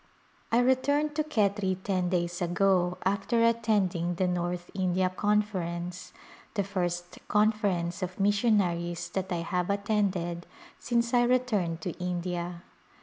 I returned to Khetri ten days ago after attending A Glimpse of India the North India Conference, the first conference of missionaries that I have attended since I returned to India.